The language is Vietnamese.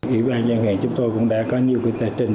ủy ban nhân dân chúng tôi cũng đã có nhiều cái tài trình